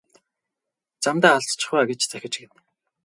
Замдаа алдчихав аа гэж захиж гэнэ.